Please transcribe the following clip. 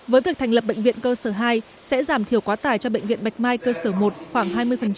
với việc thành lập bệnh viện cơ sở hai sẽ giảm thiểu quá tải cho bệnh viện bạch mai cơ sở một khoảng hai mươi